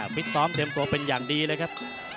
ฟิตซ้อมเตรียมตัวเป็นอย่างดีเลยครับ